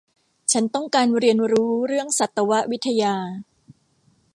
ฉันต้องการเรียนรู้เรื่องสัตววิทยา